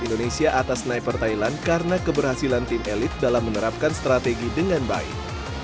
indonesia atas sniper thailand karena keberhasilan tim elit dalam menerapkan strategi dengan baik